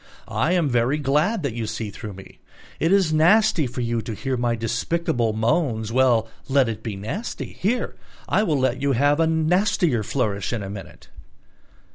I am very glad that you see through me. It is nasty for you to hear my despicable moans: well, let it be nasty; here I will let you have a nastier flourish in a minute...."